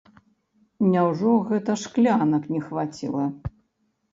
Няўжо гэта шклянак не хваціла?